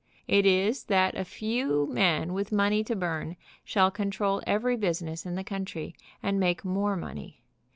It is that a few men with money to burn shall control every business in the country, and make more money.